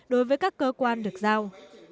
đối với các cơ quan được giao